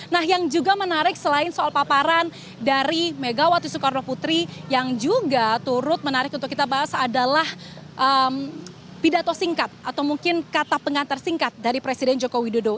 nah yang juga menarik selain soal paparan dari megawati soekarno putri yang juga turut menarik untuk kita bahas adalah pidato singkat atau mungkin kata pengantar singkat dari presiden joko widodo